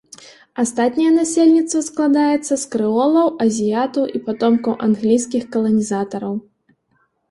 Астатняе насельніцтва складаецца з крэолаў, азіятаў і патомкаў англійскіх каланізатараў.